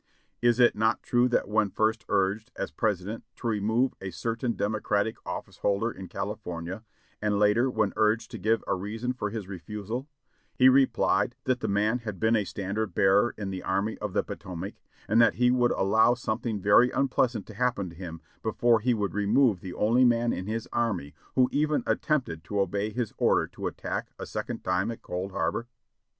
Is it not THE CAPITA!, IN THE DOG DAYS 589 true that when first urged, as President, to remove a certain Dem ocratic office holder in CaHfornia, and later, when urged to give a reason for his refusal, he replied that the man had been a standard bearer in the Army of the Potomac, and that he would allow something very unpleasant to happen to him before he would remove the only man in his army who even attempted to obey his order to attack a second time at Cold Plarbor?